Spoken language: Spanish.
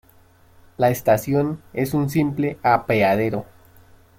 La estación es un simple apeadero.